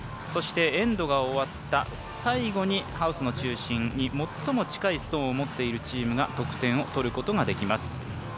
そして、エンドが終わった最後にハウスの中心に最も近いストーンを持っているチームが得点を取ることができます。